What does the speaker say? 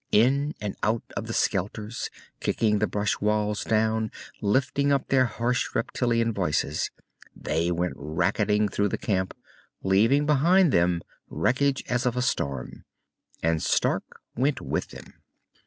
In and out of the shelters, kicking the brush walls down, lifting up their harsh reptilian voices, they went racketing through the camp, leaving behind them wreckage as of a storm. And Stark went with them.